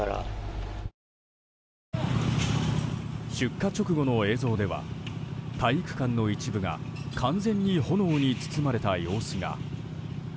出火直後の映像では体育館の一部が完全に炎に包まれた様子が。